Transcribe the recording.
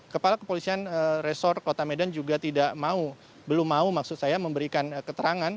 kepala kepolisian resor kota medan juga tidak mau belum mau maksud saya memberikan keterangan